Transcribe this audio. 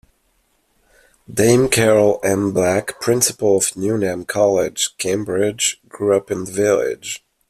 Dame Carol M. Black, principal of Newnham College, Cambridge, grew up in the village.